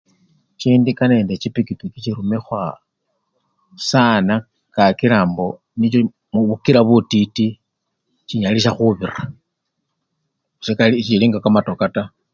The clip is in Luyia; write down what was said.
Chindika nende chipikipiki chirumikhibwa sana kakila mbo nicho mubukila butiti, chinyalisya khubira sechi! sechili nga kamatoka taa.